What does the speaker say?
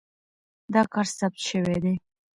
دا کار ثبت شوی دی.